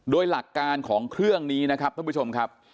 โดยหลักการของเครื่องนี้นะครับท่านผู้ชมครับ